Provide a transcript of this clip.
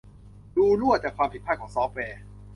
รูรั่วจากความผิดพลาดของซอฟต์แวร์